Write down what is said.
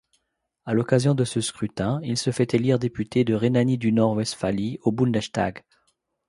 À l'occasion de ce scrutin, il se fait élire député de Rhénanie-du-Nord-Westphalie au Bundestag.